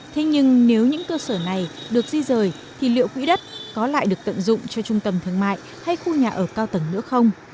thế nhưng nếu những cơ sở này được di rời thì liệu quỹ đất có lại được tận dụng cho trung tâm thương mại hay khu nhà ở cao tầng nữa không